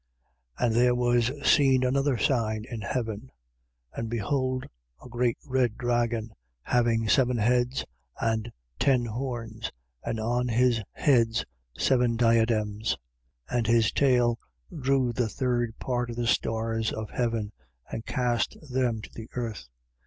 12:3. And there was seen another sign in heaven. And behold a great red dragon, having seven heads and ten horns and on his heads seven diadems. 12:4. And his tail drew the third part of the stars of heaven and cast them to the earth.